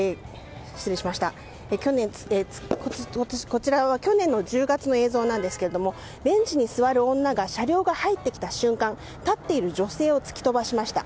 こちらは去年１０月の映像ですがベンチに座る女が車両が入ってきた瞬間立っている女性を突き飛ばしました。